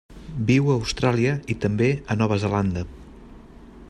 Viu a Austràlia i també a Nova Zelanda.